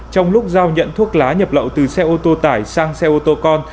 trong lúc giao nhận thuốc lá nhập lậu từ xe ô tô tải sang xe ô tô con